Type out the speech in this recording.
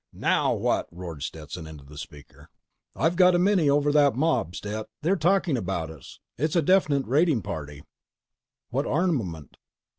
"NOW WHAT?" roared Stetson into the speaker. "I've got a mini over that mob, Stet. They're talking about us. It's a definite raiding party." "What armament?"